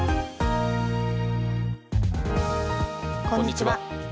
こんにちは。